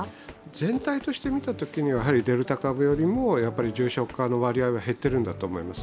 全体として見たときにはデルタ株よりも重症化の割合は減っているんだと思います。